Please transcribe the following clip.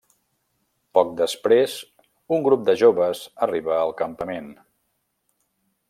Poc després un grup de joves arriba al campament.